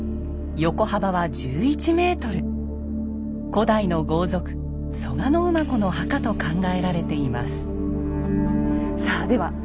古代の豪族蘇我馬子の墓と考えられています。